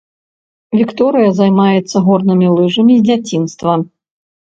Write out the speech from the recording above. Вікторыя займаецца горнымі лыжамі з дзяцінства.